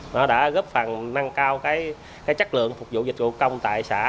nó đã góp phần nâng cao cái chất lượng phục vụ dịch vụ công tại xã